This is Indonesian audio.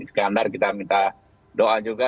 di sekandar kita minta doa juga